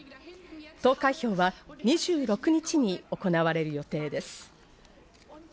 投開票は２６日に行われる予定です。